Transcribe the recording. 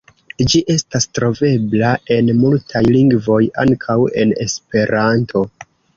Ĝi estas trovebla en multaj lingvoj, ankaŭ en Esperanto.